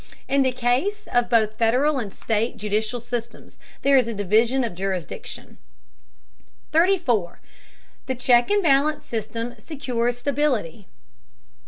In the case of both Federal and state judicial systems there is a division of jurisdiction. 34. THE CHECK AND BALANCE SYSTEM SECURES STABILITY.